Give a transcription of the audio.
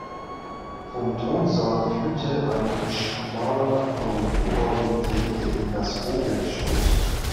Vom Thronsaal führte ein schmaler Korridor mit Treppe in das Obergeschoss.